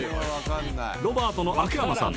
ロバートの秋山さん